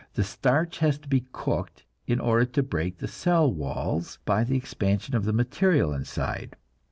The starch has to be cooked in order to break the cell walls by the expansion of the material inside.